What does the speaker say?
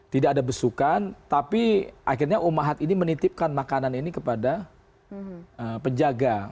tidak ada besukan tapi akhirnya umahat ini menitipkan makanan ini kepada penjaga